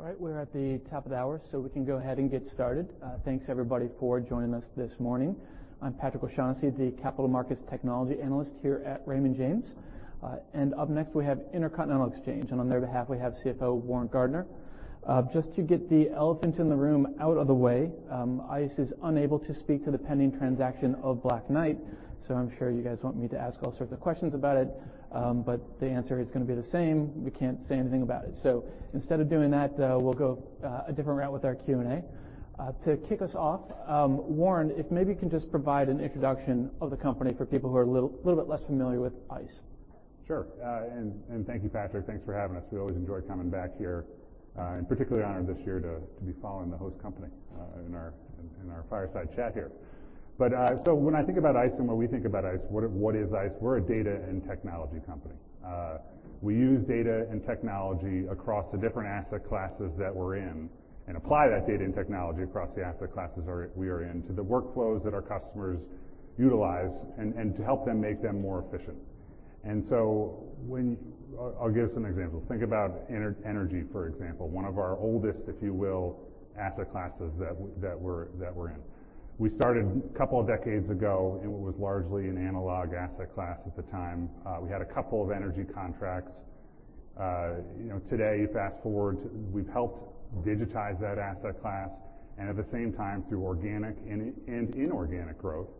All right, we're at the top of the hour, we can go ahead and get started. Thanks everybody for joining us this morning. I'm Patrick O'Shaughnessy, the capital markets technology analyst here at Raymond James. Up next we have Intercontinental Exchange, on their behalf, we have CFO Warren Gardiner. Just to get the elephant in the room out of the way, ICE is unable to speak to the pending transaction of Black Knight, I'm sure you guys want me to ask all sorts of questions about it, the answer is gonna be the same. We can't say anything about it. Instead of doing that, we'll go a different route with our Q&A. To kick us off, Warren, if maybe you can just provide an introduction of the company for people who are a little bit less familiar with ICE. Sure. Thank you, Patrick. Thanks for having us. We always enjoy coming back here, particularly honored this year to be following the host company in our fireside chat here. When I think about ICE and when we think about ICE, what is ICE? We're a data and technology company. We use data and technology across the different asset classes that we're in and apply that data and technology across the asset classes we are in to the workflows that our customers utilize and to help them make them more efficient. I'll give some examples. Think about energy, for example. One of our oldest, if you will, asset classes that we're in. We started a couple of decades ago, and it was largely an analog asset class at the time. We had a couple of energy contracts. You know, today, fast-forward, we've helped digitize that asset class and at the same time through organic and inorganic growth.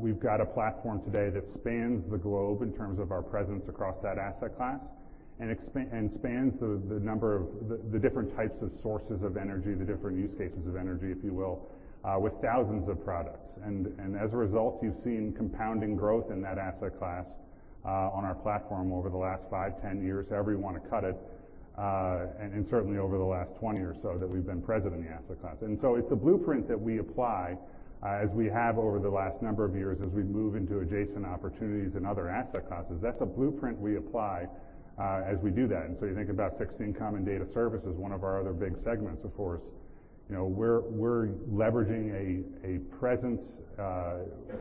We've got a platform today that spans the globe in terms of our presence across that asset class and spans the number of the different types of sources of energy, the different use cases of energy, if you will, with thousands of products. As a result, you've seen compounding growth in that asset class on our platform over the last five, 10 years, however you want to cut it, and certainly over the last 20 years or so that we've been present in the asset class. It's a blueprint that we apply as we have over the last number of years as we move into adjacent opportunities in other asset classes. That's a blueprint we apply as we do that. You know, we're leveraging a presence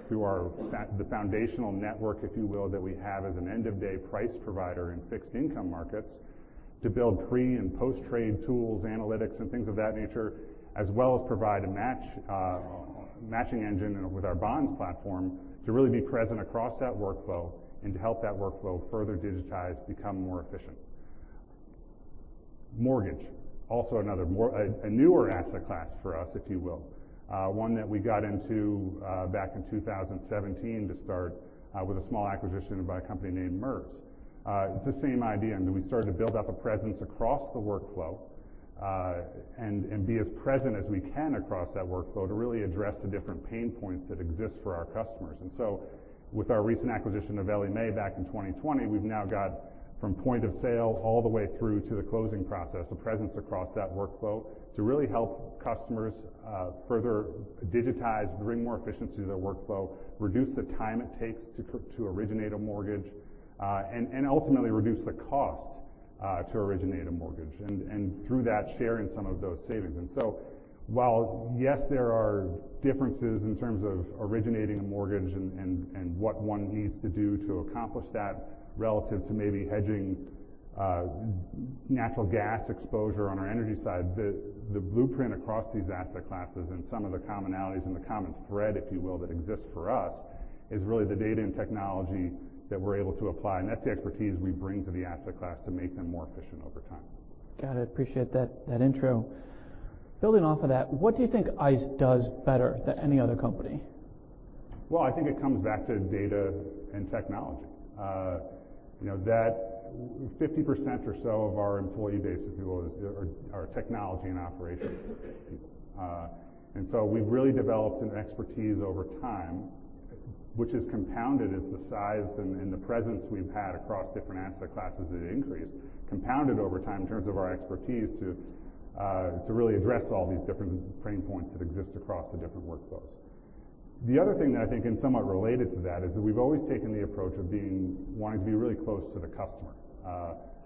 through our the foundational network, if you will, that we have as an end-of-day price provider in fixed income markets to build pre and post-trade tools, analytics, and things of that nature, as well as provide a matching engine with our Bonds platform to really be present across that workflow and to help that workflow further digitize, become more efficient. Mortgage, also another a newer asset class for us, if you will. One that we got into back in 2017 to start with a small acquisition by a company named MERS. It's the same idea, and we started to build up a presence across the workflow and be as present as we can across that workflow to really address the different pain points that exist for our customers. With our recent acquisition of Ellie Mae back in 2020, we've now got from point of sale all the way through to the closing process, a presence across that workflow to really help customers further digitize, bring more efficiency to their workflow, reduce the time it takes to originate a mortgage and ultimately reduce the cost to originate a mortgage and through that share in some of those savings. While, yes, there are differences in terms of originating a mortgage and what one needs to do to accomplish that relative to maybe hedging natural gas exposure on our energy side, the blueprint across these asset classes and some of the commonalities and the common thread, if you will, that exists for us is really the data and technology that we're able to apply. That's the expertise we bring to the asset class to make them more efficient over time. Got it. Appreciate that intro. Building off of that, what do you think ICE does better than any other company? I think it comes back to data and technology. you know, that 50% or so of our employee base, if you will, is our technology and operations. We've really developed an expertise over time, which is compounded as the size and the presence we've had across different asset classes that increased, compounded over time in terms of our expertise to really address all these different pain points that exist across the different workflows. The other thing that I think and somewhat related to that is that we've always taken the approach of wanting to be really close to the customer.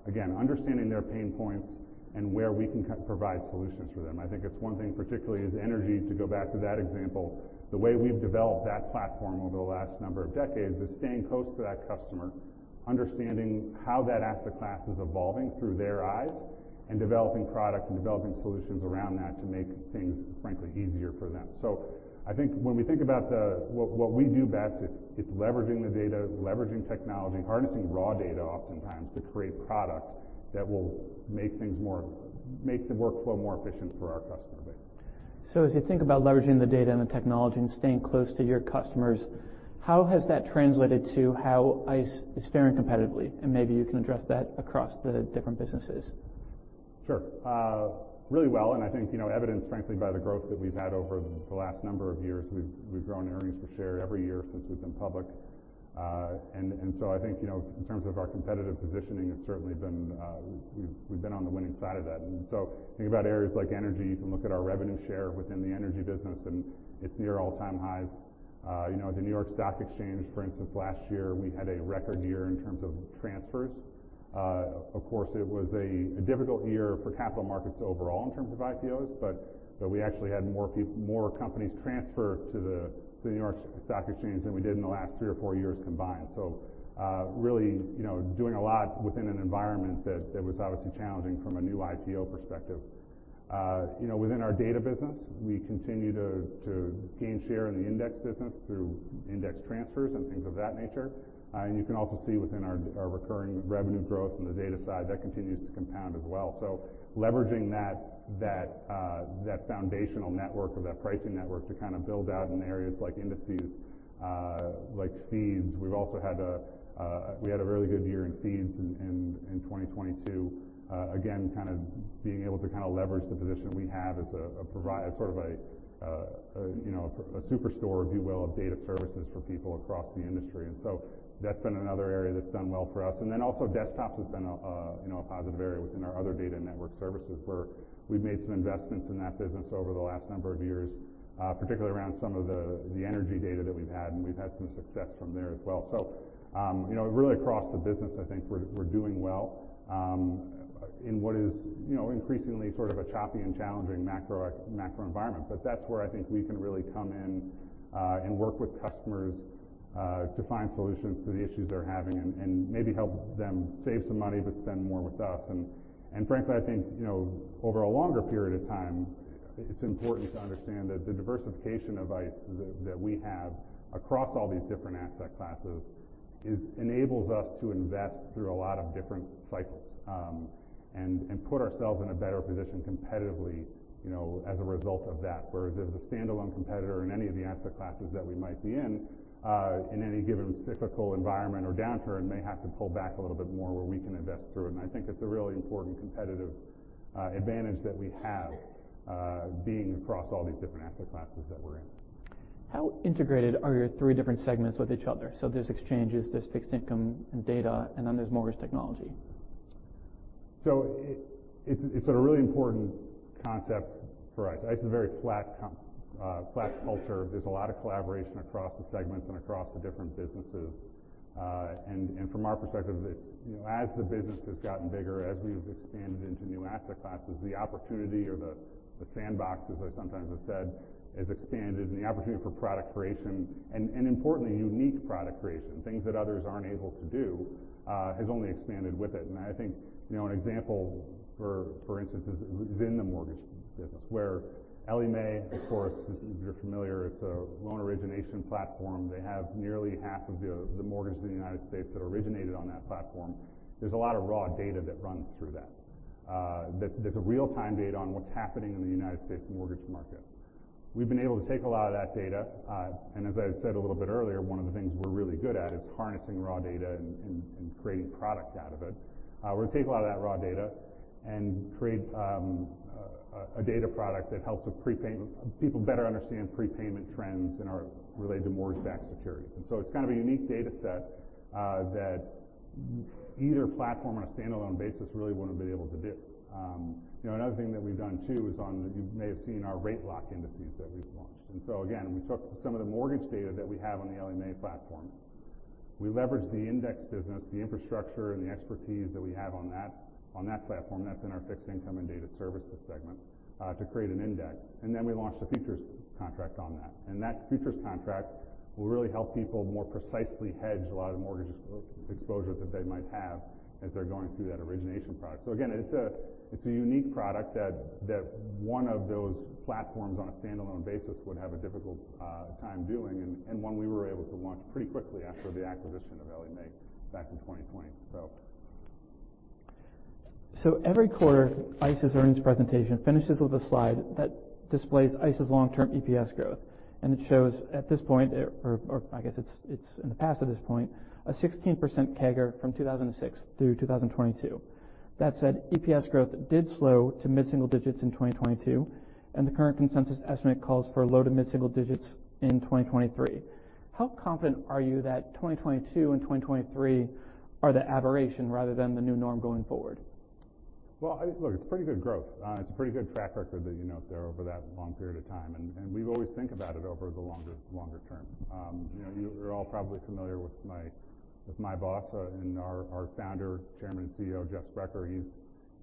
Again, understanding their pain points and where we can provide solutions for them. I think it's one thing particularly is energy, to go back to that example. The way we've developed that platform over the last number of decades is staying close to that customer, understanding how that asset class is evolving through their eyes and developing product and developing solutions around that to make things, frankly, easier for them. I think when we think about what we do best, it's leveraging the data, leveraging technology, harnessing raw data oftentimes to create product that will make the workflow more efficient for our customer base. As you think about leveraging the data and the technology and staying close to your customers, how has that translated to how ICE is faring competitively? Maybe you can address that across the different businesses. Sure. Really well. I think, you know, evidenced frankly by the growth that we've had over the last number of years, we've grown earnings per share every year since we've been public. I think, you know, in terms of our competitive positioning, it's certainly been, we've been on the winning side of that. Think about areas like energy. You can look at our revenue share within the energy business, it's near all-time highs. You know, the New York Stock Exchange, for instance, last year, we had a record year in terms of transfers. Of course, it was a difficult year for capital markets overall in terms of IPOs, but we actually had more companies transfer to the New York Stock Exchange than we did in the last three or four years combined. Really, you know, doing a lot within an environment that was obviously challenging from a new IPO perspective. You know, within our data business, we continue to gain share in the index business through index transfers and things of that nature. You can also see within our recurring revenue growth from the data side, that continues to compound as well. Leveraging that foundational network or that pricing network to kind of build out in areas like indices, like feeds. We've also had a really good year in feeds in 2022. Again, kind of being able to kind of leverage the position we have as sort of a, you know, a superstore, if you will, of data services for people across the industry. That's been another area that's done well for us. Also desktops has been a, you know, a positive area within our other data network services, where we've made some investments in that business over the last number of years, particularly around some of the energy data that we've had, and we've had some success from there as well. You know, really across the business, I think we're doing well, in what is, you know, increasingly sort of a choppy and challenging macro environment. That's where I think we can really come in, and work with customers, to find solutions to the issues they're having and maybe help them save some money, but spend more with us. Frankly, I think, you know, over a longer period of time, it's important to understand that the diversification of ICE that we have across all these different asset classes enables us to invest through a lot of different cycles, and put ourselves in a better position competitively, you know, as a result of that. Whereas as a standalone competitor in any of the asset classes that we might be in any given cyclical environment or downturn may have to pull back a little bit more where we can invest through it. I think it's a really important competitive advantage that we have, being across all these different asset classes that we're in. How integrated are your three different segments with each other? There's exchanges, there's fixed income and data, and then there's Mortgage Technology. It's a really important concept for us. ICE is a very flat culture. There's a lot of collaboration across the segments and across the different businesses. From our perspective, it's, you know, as the business has gotten bigger, as we've expanded into new asset classes, the opportunity or the sandbox, as I sometimes have said, has expanded. The opportunity for product creation and importantly, unique product creation, things that others aren't able to do, has only expanded with it. I think, you know, an example for instance, is in the mortgage business where Ellie Mae, of course, as you're familiar, it's a loan origination platform. They have nearly half of the mortgage in the United States that originated on that platform. There's a lot of raw data that runs through that there's a real-time data on what's happening in the United States mortgage market. We've been able to take a lot of that data, and as I said a little bit earlier, one of the things we're really good at is harnessing raw data and creating product out of it. We're gonna take a lot of that raw data and create a data product that helps with people better understand prepayment trends related to mortgage-backed securities. It's kind of a unique data set that either platform on a standalone basis really wouldn't have been able to do. You know, another thing that we've done too is you may have seen our Rate Lock Indexes that we've launched. Again, we took some of the mortgage data that we have on the Ellie Mae platform. We leveraged the index business, the infrastructure, and the expertise that we have on that platform that's in our fixed income and data services segment to create an index. We launched a futures contract on that. That futures contract will really help people more precisely hedge a lot of mortgage exposure that they might have as they're going through that origination product. Again, it's a unique product that one of those platforms on a standalone basis would have a difficult time doing and one we were able to launch pretty quickly after the acquisition of Ellie Mae back in 2020. Every quarter, ICE's earnings presentation finishes with a slide that displays ICE's long-term EPS growth, and it shows at this point, I guess it's in the past at this point, a 16% CAGR from 2006 through 2022. That said, EPS growth did slow to mid-single digits in 2022, and the current consensus estimate calls for low to mid-single digits in 2023. How confident are you that 2022 and 2023 are the aberration rather than the new norm going forward? Well, look, it's pretty good growth. It's a pretty good track record that, you know, over that long period of time, and we've always think about it over the longer term. You know, you're all probably familiar with my boss, and our Founder, Chairman and CEO, Jeff Sprecher.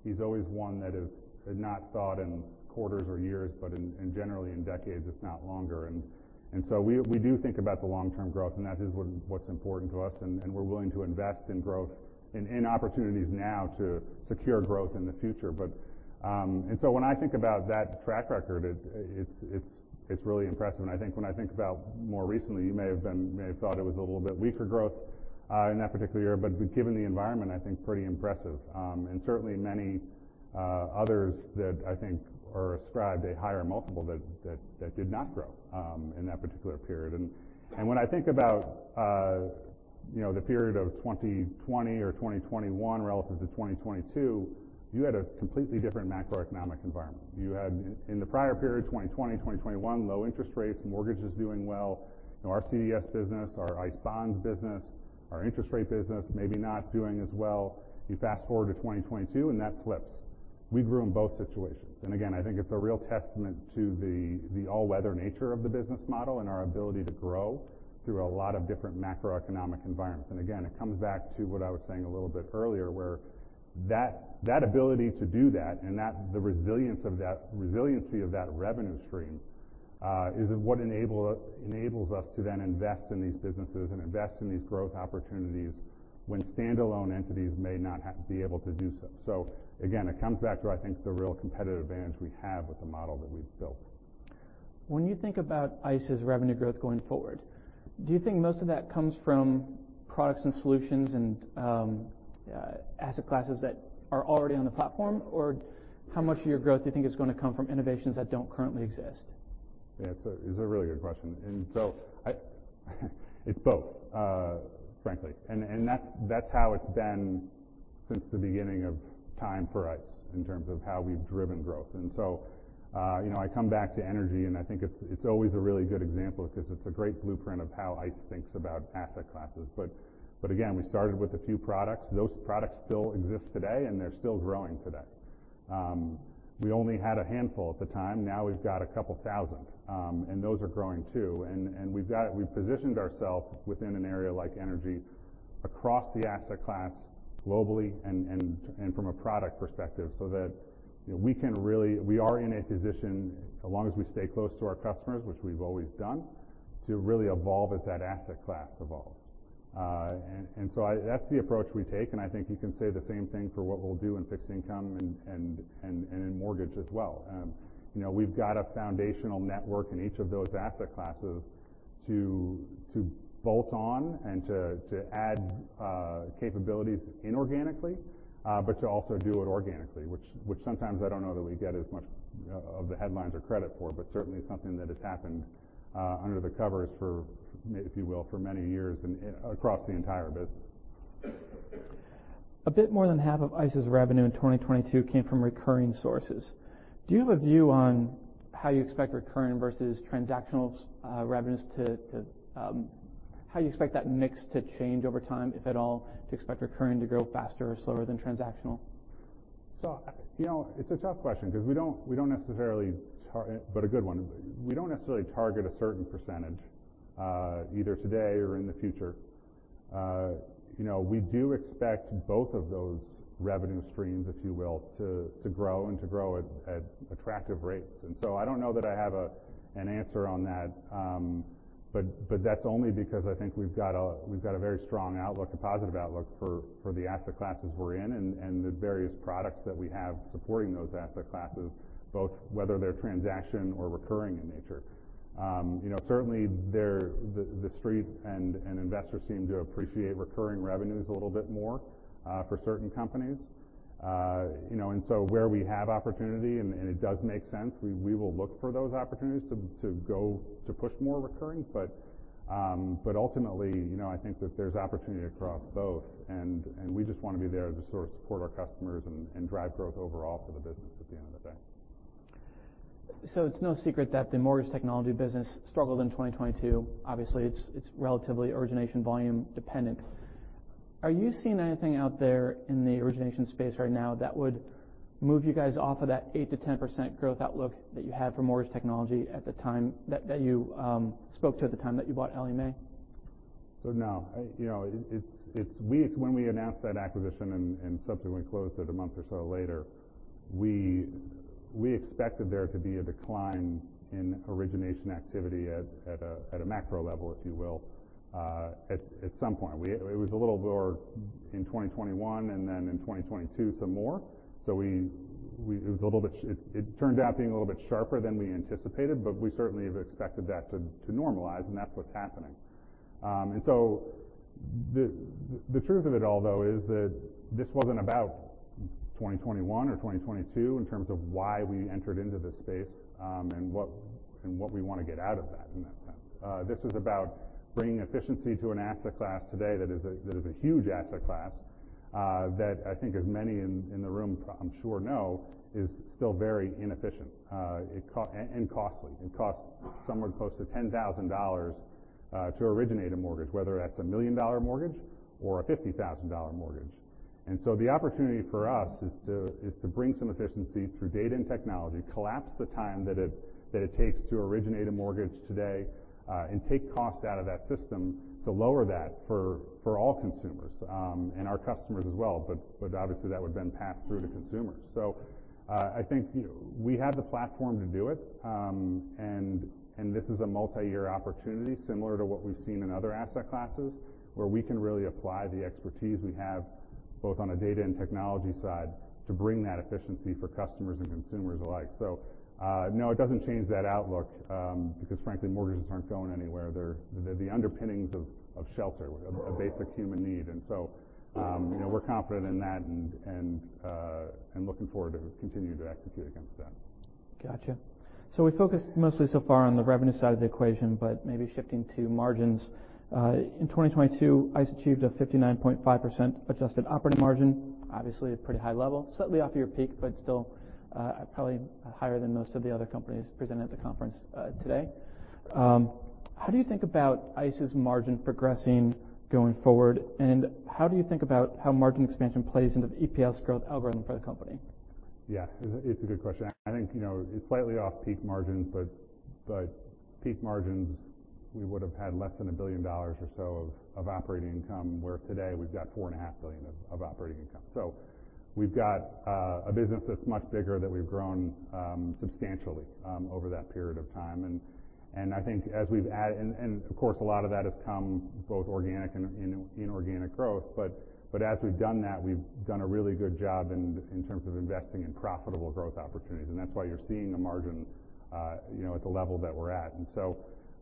He's always one that has not thought in quarters or years, but in generally in decades, if not longer. We do think about the long-term growth, and that is what's important to us, and we're willing to invest in growth in opportunities now to secure growth in the future. When I think about that track record, it's really impressive. I think when I think about more recently, you may have thought it was a little bit weaker growth in that particular year, but given the environment, I think pretty impressive. Certainly many others that I think are ascribed a higher multiple that did not grow in that particular period. When I think about, you know, the period of 2020 or 2021 relative to 2022, you had a completely different macroeconomic environment. You had in the prior period, 2020, 2021, low interest rates, mortgages doing well. You know, our CDS business, our ICE Bonds business, our interest rate business maybe not doing as well. You fast-forward to 2022, and that flips. We grew in both situations. Again, I think it's a real testament to the all-weather nature of the business model and our ability to grow through a lot of different macroeconomic environments. Again, it comes back to what I was saying a little bit earlier. That ability to do that and the resiliency of that revenue stream is what enables us to then invest in these businesses and invest in these growth opportunities when standalone entities may not be able to do so. Again, it comes back to, I think, the real competitive advantage we have with the model that we've built. When you think about ICE's revenue growth going forward, do you think most of that comes from products and solutions and asset classes that are already on the platform? How much of your growth do you think is gonna come from innovations that don't currently exist? Yeah. It's a, it's a really good question. It's both, frankly. That's how it's been since the beginning of time for us in terms of how we've driven growth. You know, I come back to energy, and I think it's always a really good example because it's a great blueprint of how ICE thinks about asset classes. Again, we started with a few products. Those products still exist today, and they're still growing today. We only had a handful at the time. Now we've got a couple thousand, and those are growing too. We've positioned ourself within an area like energy across the asset class globally and from a product perspective, so that, you know, we can really... We are in a position, as long as we stay close to our customers, which we've always done, to really evolve as that asset class evolves. That's the approach we take, and I think you can say the same thing for what we'll do in fixed income and in mortgage as well. You know, we've got a foundational network in each of those asset classes to bolt on and to add capabilities inorganically, but to also do it organically, which sometimes I don't know that we get as much of the headlines or credit for, but certainly something that has happened under the covers for many years and across the entire business. A bit more than half of ICE's revenue in 2022 came from recurring sources. Do you have a view on how you expect recurring versus transactional revenues to how you expect that mix to change over time, if at all? Do you expect recurring to grow faster or slower than transactional? You know, it's a tough question because we don't necessarily but a good one. We don't necessarily target a certain percentage either today or in the future. You know, we do expect both of those revenue streams, if you will, to grow and to grow at attractive rates. I don't know that I have an answer on that. But that's only because I think we've got a very strong outlook, a positive outlook for the asset classes we're in and the various products that we have supporting those asset classes, both whether they're transaction or recurring in nature. You know, certainly TheStreet and investors seem to appreciate recurring revenues a little bit more for certain companies. You know, where we have opportunity and it does make sense, we will look for those opportunities to go to push more recurring. Ultimately, you know, I think that there's opportunity across both and we just wanna be there to sort of support our customers and drive growth overall for the business at the end of the day. It's no secret that the Mortgage Technology business struggled in 2022. Obviously, it's relatively origination volume dependent. Are you seeing anything out there in the origination space right now that would move you guys off of that 8%-10% growth outlook that you had for Mortgage Technology at the time that you spoke to at the time that you bought Ellie Mae? No. You know, it's when we announced that acquisition and subsequently closed it a month or so later, we expected there to be a decline in origination activity at a macro level, if you will, at some point. It was a little more in 2021 and then in 2022 some more. It turned out being a little bit sharper than we anticipated, but we certainly have expected that to normalize, and that's what's happening. The truth of it all, though, is that this wasn't about 2021 or 2022 in terms of why we entered into this space, and what we want to get out of that in that sense. This was about bringing efficiency to an asset class today that is a huge asset class, that I think as many in the room I'm sure know is still very inefficient, and costly. It costs somewhere close to $10,000 to originate a mortgage, whether that's a $1 million mortgage or a $50,000 mortgage. The opportunity for us is to bring some efficiency through data and technology, collapse the time that it takes to originate a mortgage today, and take costs out of that system to lower that for all consumers, and our customers as well. Obviously that would then pass through to consumers. I think, you know, we have the platform to do it. This is a multi-year opportunity similar to what we've seen in other asset classes, where we can really apply the expertise we have both on a data and technology side to bring that efficiency for customers and consumers alike. No, it doesn't change that outlook, because frankly, mortgages aren't going anywhere. They're the underpinnings of shelter, a basic human need. You know, we're confident in that and looking forward to continue to execute against that. Gotcha. We focused mostly so far on the revenue side of the equation, but maybe shifting to margins. In 2022, ICE achieved a 59.5% adjusted operating margin. Obviously, a pretty high level, slightly off your peak, but still, probably higher than most of the other companies presenting at the conference today. How do you think about ICE's margin progressing going forward, and how do you think about how margin expansion plays into the EPS growth algorithm for the company? Yes, it's a good question. I think, you know, it's slightly off peak margins, but peak margins, we would have had less than $1 billion or so of operating income, where today we've got $4.5 billion of operating income. We've got a business that's much bigger that we've grown substantially over that period of time. And of course, a lot of that has come both organic and inorganic growth, but as we've done that, we've done a really good job in terms of investing in profitable growth opportunities. That's why you're seeing the margin, you know, at the level that we're at.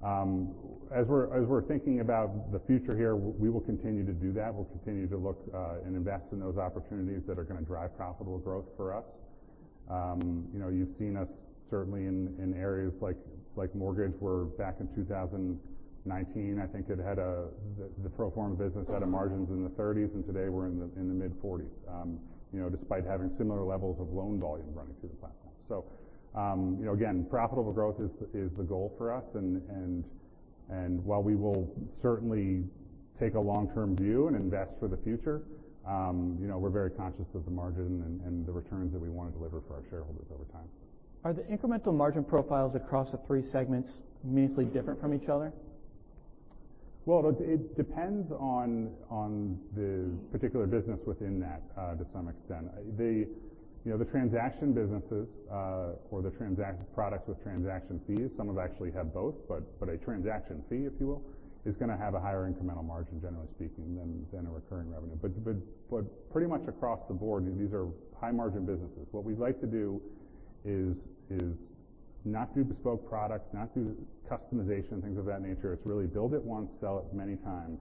As we're thinking about the future here, we will continue to do that. We'll continue to look and invest in those opportunities that are gonna drive profitable growth for us. You know, you've seen us certainly in areas like mortgage, where back in 2019, the pro forma business had margins in the 30s, and today we're in the mid-40s, you know, despite having similar levels of loan volume running through the platform. You know, again, profitable growth is the goal for us. While we will certainly take a long-term view and invest for the future, you know, we're very conscious of the margin and the returns that we wanna deliver for our shareholders over time. Are the incremental margin profiles across the three segments meaningfully different from each other? Well, it depends on the particular business within that, to some extent. The, you know, the transaction businesses, or the transact products with transaction fees, some have actually had both, but a transaction fee, if you will, is gonna have a higher incremental margin, generally speaking, than a recurring revenue. Pretty much across the board, these are high margin businesses. What we'd like to do is not do bespoke products, not do customization, things of that nature. It's really build it once, sell it many times.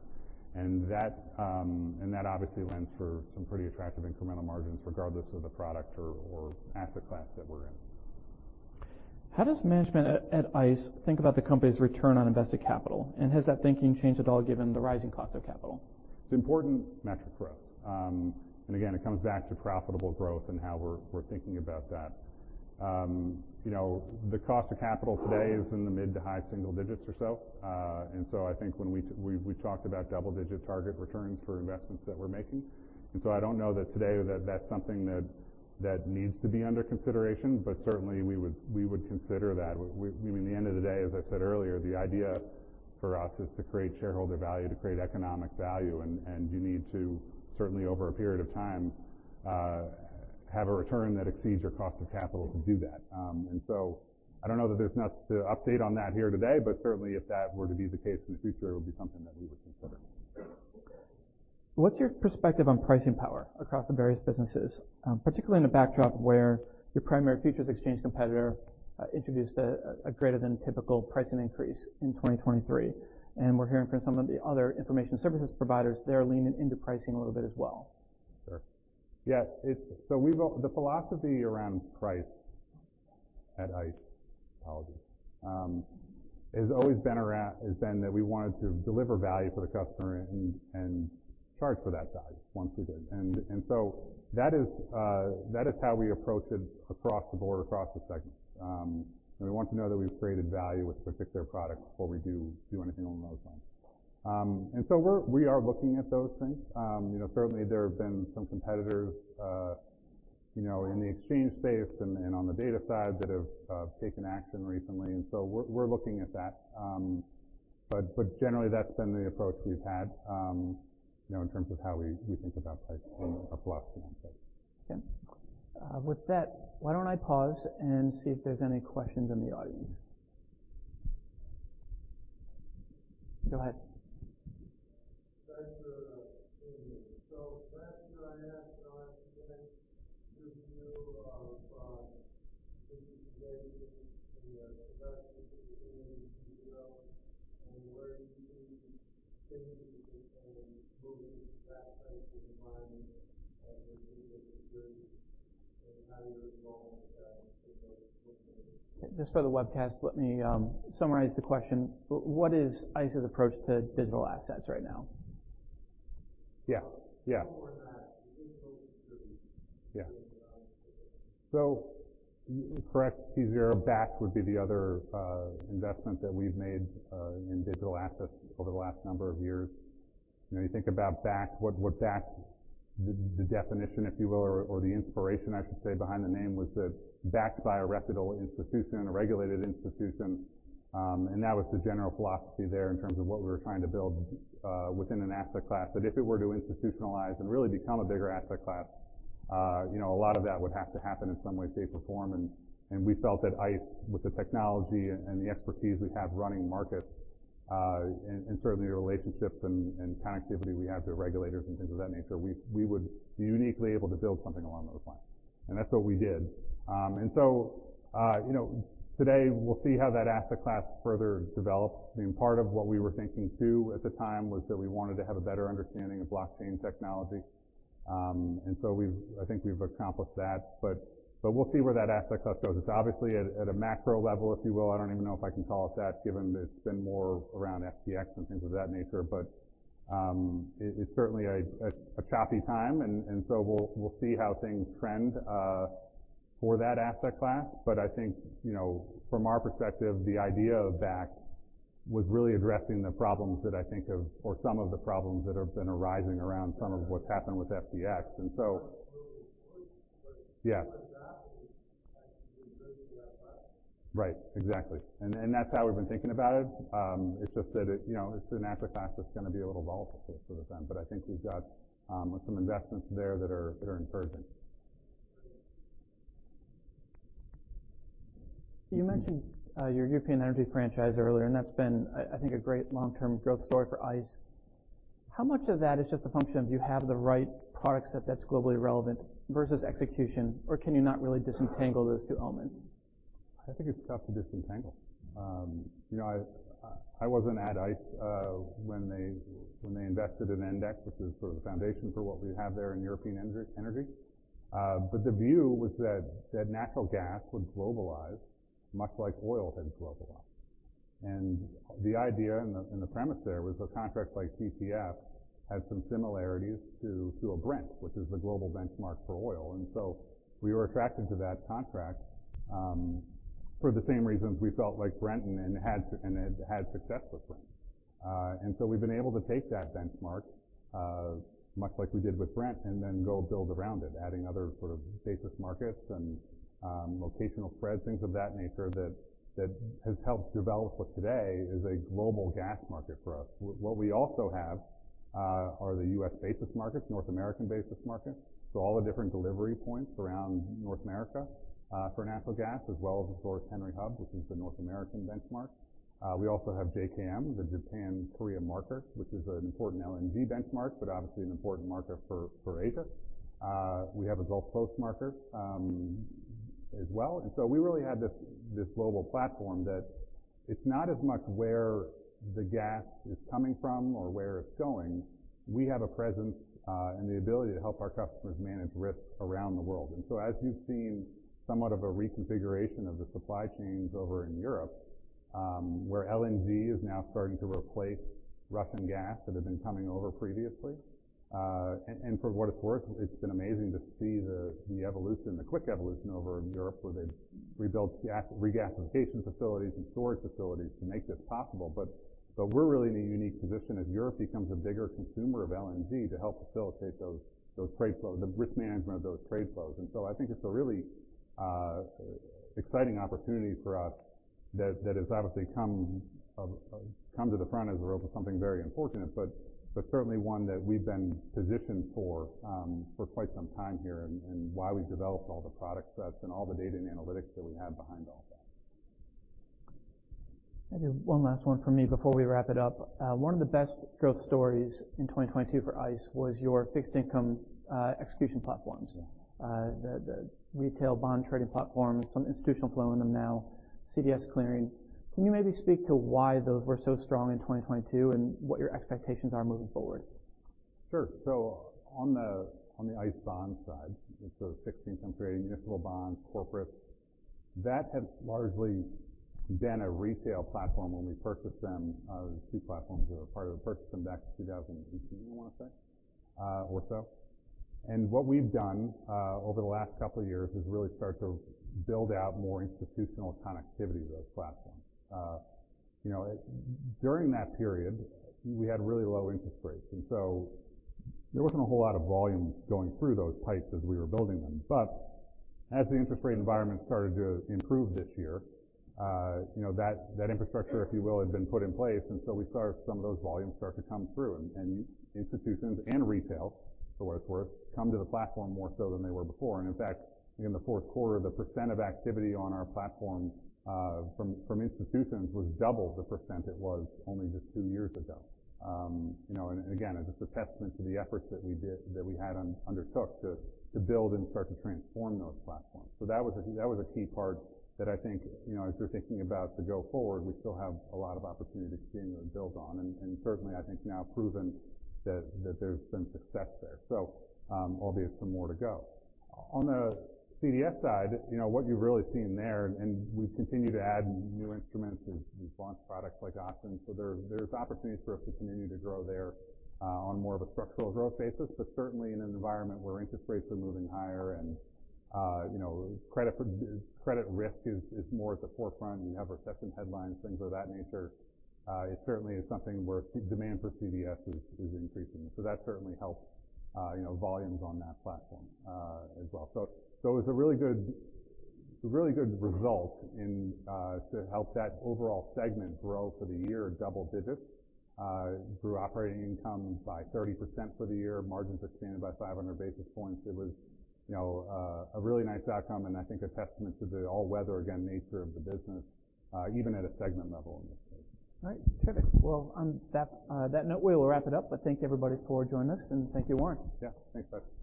That, and that obviously lends for some pretty attractive incremental margins regardless of the product or asset class that we're in. How does management at ICE think about the company's return on invested capital? Has that thinking changed at all given the rising cost of capital? It's an important metric for us. Again, it comes back to profitable growth and how we're thinking about that. You know, the cost of capital today is in the mid to high single digits or so. I think when we talked about double-digit target returns for investments that we're making. I don't know that today that that's something that needs to be under consideration, but certainly we would consider that. We I mean, at the end of the day, as I said earlier, the idea for us is to create shareholder value, to create economic value, and you need to certainly over a period of time, have a return that exceeds your cost of capital to do that. I don't know that there's much to update on that here today, but certainly if that were to be the case in the future, it would be something that we would consider. What's your perspective on pricing power across the various businesses, particularly in the backdrop where your primary futures exchange competitor introduced a greater than typical pricing increase in 2023? We're hearing from some of the other information services providers, they're leaning into pricing a little bit as well. Sure. Yeah, the philosophy around price at ICE, apologies, has always been that we wanted to deliver value for the customer and charge for that value once we did. That is how we approach it across the board, across the segments. We want to know that we've created value with specific products before we do anything along those lines. We are looking at those things. You know, certainly there have been some competitors, you know, in the exchange space and on the data side that have taken action recently. We're looking at that. But generally that's been the approach we've had, you know, in terms of how we think about pricing and our philosophy on pricing. Yeah. With that, why don't I pause and see if there's any questions in the audience. Go ahead. Thanks for doing this. Last year, I asked you to connect to view of BTC and the production community as well, and where do you see things and moving fast types of mining and how you're involved with that? Just for the webcast, let me summarize the question. What is ICE's approach to digital assets right now? Yeah. Yeah. Before that, you think those should be? Correct, tZERO. Bakkt would be the other investment that we've made in digital assets over the last number of years. You know, you think about Bakkt, what Bakkt. The definition, if you will, or the inspiration I should say, behind the name was that backed by a reputable institution, a regulated institution, that was the general philosophy there in terms of what we were trying to build within an asset class. That if it were to institutionalize and really become a bigger asset class, you know, a lot of that would have to happen in some way, shape, or form. We felt that ICE with the technology and the expertise we have running markets, and certainly the relationships and connectivity we have to regulators and things of that nature, we would be uniquely able to build something along those lines. That's what we did. You know, today we'll see how that asset class further develops. I mean, part of what we were thinking too at the time was that we wanted to have a better understanding of blockchain technology. I think we've accomplished that. We'll see where that asset class goes. It's obviously at a macro level, if you will. I don't even know if I can call it that, given it's been more around FTX and things of that nature. It is certainly a choppy time, and so we'll see how things trend for that asset class. I think, you know, from our perspective, the idea of Bakkt Was really addressing the problems that I think of or some of the problems that have been arising around some of what's happened with FTX. Yeah. Right. Exactly. That's how we've been thinking about it. It's just that, you know, it's an asset class that's going to be a little volatile for the time, I think we've got some investments there that are encouraging. You mentioned your European energy franchise earlier, and that's been I think a great long-term growth story for ICE. How much of that is just a function of you have the right product set that's globally relevant versus execution, or can you not really disentangle those two elements? I think it's tough to disentangle. you know, I wasn't at ICE, when they invested in Endex, which is sort of the foundation for what we have there in European energy. The view was that natural gas would globalize much like oil had globalized. The idea and the premise there was a contract like TTF had some similarities to a Brent, which is the global benchmark for oil. We were attracted to that contract, for the same reasons we felt like Brent and had had success with Brent. We've been able to take that benchmark, much like we did with Brent, and then go build around it, adding other sort of basis markets and locational spreads, things of that nature that has helped develop what today is a global gas market for us. What we also have are the U.S. basis markets, North American basis markets. All the different delivery points around North America for natural gas as well as the source Henry Hub, which is the North American benchmark. We also have JKM, the Japan-Korea Marker, which is an important LNG benchmark, but obviously an important market for Asia. We have a Gulf Coast marker as well. We really had this global platform that it's not as much where the gas is coming from or where it's going. We have a presence and the ability to help our customers manage risk around the world. As you've seen somewhat of a reconfiguration of the supply chains over in Europe, where LNG is now starting to replace Russian gas that had been coming over previously. For what it's worth, it's been amazing to see the evolution, the quick evolution over in Europe, where they've rebuilt regasification facilities and storage facilities to make this possible. But we're really in a unique position as Europe becomes a bigger consumer of LNG to help facilitate those trade flows, the risk management of those trade flows. I think it's a really exciting opportunity for us that has obviously come to the front as a result of something very unfortunate, but certainly one that we've been positioned for quite some time here and why we've developed all the product sets and all the data and analytics that we have behind all that. Maybe one last one from me before we wrap it up. One of the best growth stories in 2022 for ICE was your fixed income execution platforms. The retail bond trading platforms, some institutional flow in them now, CDS clearing. Can you maybe speak to why those were so strong in 2022 and what your expectations are moving forward? Sure. On the ICE Bonds side, it's the fixed income trading, municipal bonds, corporate. That had largely been a retail platform when we purchased them, two platforms that are part of it, purchased them back in 2018, I want to say, or so. What we've done over the last couple of years is really start to build out more institutional connectivity to those platforms. you know, during that period, we had really low interest rates, there wasn't a whole lot of volume going through those pipes as we were building them. As the interest rate environment started to improve this year, you know, that infrastructure, if you will, had been put in place. We saw some of those volumes start to come through. Institutions and retail, for what it's worth, come to the platform more so than they were before. In fact, in the fourth quarter, the percent of activity on our platform from institutions was double the percent it was only just two years ago. You know, and again, it's just a testament to the efforts that we had undertook to build and start to transform those platforms. That was a key part that I think, you know, as we're thinking about the go forward, we still have a lot of opportunity to continue to build on. Certainly, I think now proven that there's been success there. So, obvious some more to go. On the CDS side, you know, what you've really seen there, and we've continued to add new instruments as we've launched products like options. There's opportunities for us to continue to grow there on more of a structural growth basis. Certainly in an environment where interest rates are moving higher and, you know, credit risk is more at the forefront. You have recession headlines, things of that nature. It certainly is something where demand for CDS is increasing. That certainly helps, you know, volumes on that platform as well. It's a really good result and to help that overall segment grow for the year double digits. Grew operating income by 30% for the year. Margins expanded by 500 basis points. It was, you know, a really nice outcome and I think a testament to the all-weather, again, nature of the business, even at a segment level in this case. All right. Terrific. Well, on that note, we will wrap it up. Thank you, everybody, for joining us. Thank you, Warren. Yeah. Thanks, Pat.